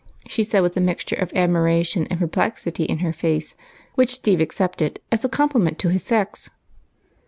" she said, with a mixture of admiration and perplexity in her face, which Steve accepted as a compliment to his sex.